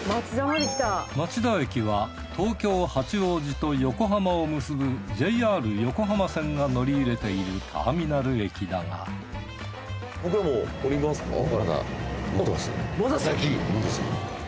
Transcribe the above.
町田駅は東京八王子と横浜を結ぶＪＲ横浜線が乗り入れているターミナル駅だがまだ先！